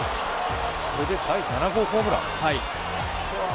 これで第７号ホームラン？